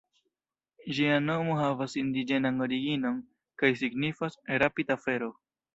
Ĝia nomo havas indiĝenan originon kaj signifas "rapid-afero".